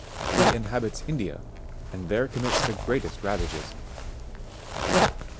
4.) He inhabits India, and there commits the greatest ravages.